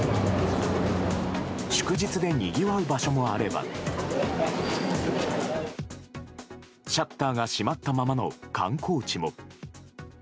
祝日でにぎわう場所もあればシャッターが閉まったままの観光地も。